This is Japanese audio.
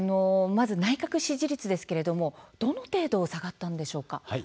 まず内閣支持率ですけれどもどの程度下がったんでしょうか。